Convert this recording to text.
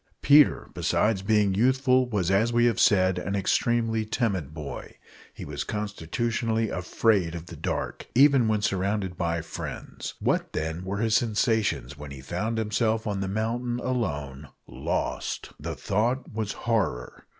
Peter, besides being youthful, was, as we have said, an extremely timid boy. He was constitutionally afraid of the dark, even when surrounded by friends. What, then, were his sensations when he found himself on the mountain alone lost! The thought was horror!